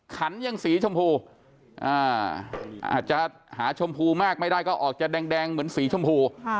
ขันยังสีชมพูอาจจะหาชมพูมากไม่ได้ก็ออกจะแดงเหมือนสีชมพู